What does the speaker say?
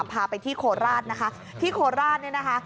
พาไปที่โคราชนะคะที่โคราชเนี่ยนะคะ